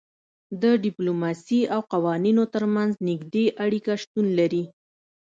د ډیپلوماسي او قوانینو ترمنځ نږدې اړیکه شتون لري